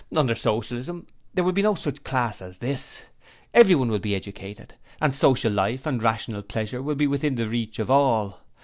Under Socialism there will be no such class as this. Everyone will be educated, and social life and rational pleasure will be within the reach of all.